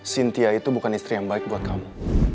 sintia itu bukan istri yang baik buat kamu